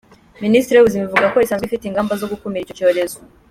Minisiteri y’Ubuzima ivuga ko isanzwe ifite ingamba zo gukumira icyo cyorezo.